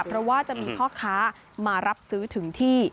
เพราะว่าจะมีพ่อค้ามารับซื้อถึงที่